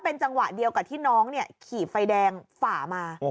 เป็นจังหวะเดี่ยวกับที่น้องเนี่ยขีบไฟแดงฝ่ามาโอ้